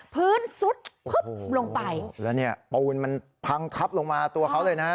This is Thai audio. ซุดพึบลงไปแล้วเนี่ยปูนมันพังทับลงมาตัวเขาเลยนะฮะ